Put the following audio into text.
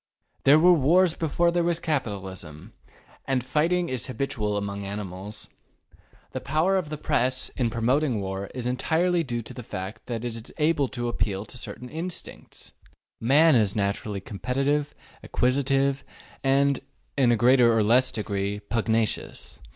There were wars before there was capital ism, and fighting is habitual among animals. The power of the Press in promoting war is entirely due to the fact that it is able to appeal to certain instincts. Man is naturally competitive, acquisitive, and, in a greater or less degree, pugnacious.